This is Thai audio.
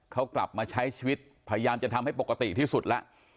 เขากลับมาใช้ชีวิตพยายามจะทำให้ปกติที่สุดแล้ว